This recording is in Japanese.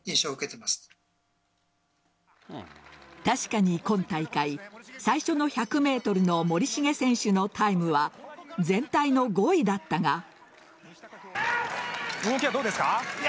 確かに今大会最初の１００ｍの森重選手のタイムは全体の５位だったが。